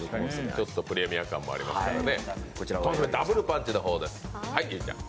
ちょっとプレミア感もありますからね。